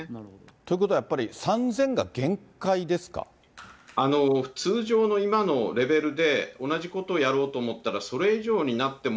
ということはやっぱり、通常の今のレベルで、同じことをやろうと思ったら、それ以上になっても、